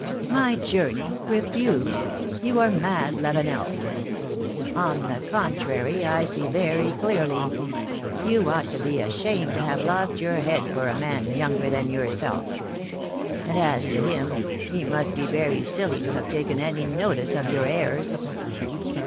^^ My journey ! Refuse ! You are mad, Lavenel ! On the contrary, I see very clearly. You ought to be ashamed to have lost your head for a man younger than yourself. And, as to him, he must be very silly to have taken any notice of your airs.